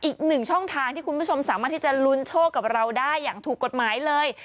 อีกหนึ่งช่องทางที่คุณผู้ชมสามารถที่จะลุ้นโชคกับเราได้อย่างถูกกฎหมายเลย